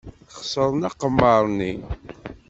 Xeṣren aqemmer-nni.